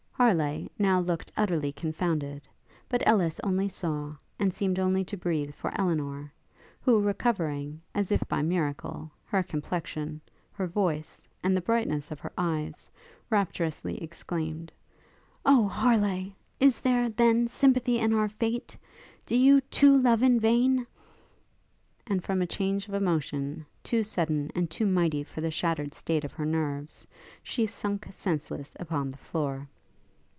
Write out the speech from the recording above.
Harleigh now looked utterly confounded; but Ellis only saw, and seemed only to breathe for Elinor, who recovering, as if by miracle, her complexion, her voice, and the brightness of her eyes, rapturously exclaimed, 'Oh Harleigh! Is there, then, sympathy in our fate? Do you, too, love in vain?' And, from a change of emotion, too sudden and too mighty for the shattered state of her nerves, she sunk senseless upon the floor.